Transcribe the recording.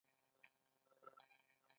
اسلام قلعه بندر څومره ګمرک ورکوي؟